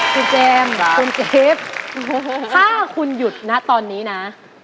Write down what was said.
คุณเจมส์คุณเจฟถ้าคุณหยุดนะตอนนี้นะ